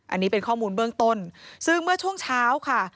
อันนี้เป็นข้อมูลเบื้องต้นซึ่งเมื่อช่วงเช้าค่ะ